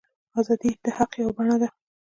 ازادي د حق یوه بڼه ده.